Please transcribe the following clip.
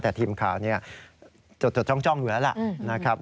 แต่ทีมข่าวเนี่ยจดต้องจ้องอยู่แล้วล่ะนะครับ